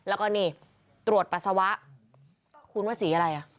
แล้วก็นี่ตรวจปัสสาวะคุณว่าสีอะไรอ่ะ